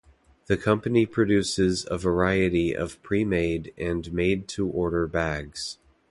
The company produces a variety of pre-made and made-to-order bags.